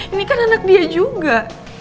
ini kan anak dia juga